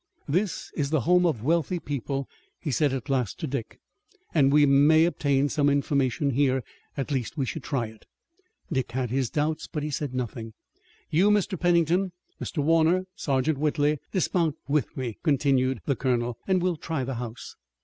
"This is the home of wealthy people," he said at last to Dick, "and we may obtain some information here. At least we should try it." Dick had his doubts, but he said nothing. "You, Mr. Pennington, Mr. Warner and Sergeant Whitley, dismount with me," continued the colonel, "and we'll try the house."